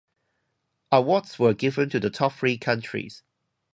Awards were given to the top three countries.